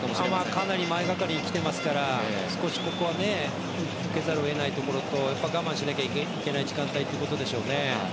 かなり前がかりに来ていますから少し、ここは受けざるを得ないところとやっぱり我慢しなきゃいけない時間帯ということですね。